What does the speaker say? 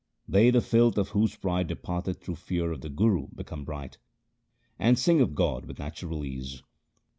They the filth of whose pride departeth through fear of the Guru become bright, And sing of God with natural ease.